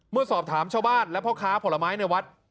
เมื่อสอบถามชาวบ้านและพ่อค้าผลไม้ในวัด